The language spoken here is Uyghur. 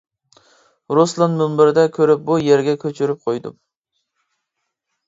رۇسلان مۇنبىرىدە كۆرۈپ، بۇ يەرگە كۆچۈرۈپ قويدۇم.